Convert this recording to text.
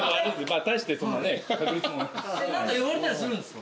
何か言われたりするんですか？